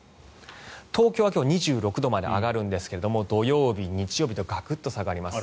東京は今日２６度まで上がるんですが土曜日、日曜日とガクッと下がります。